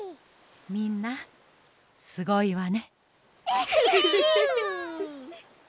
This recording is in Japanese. みんなすごいわね。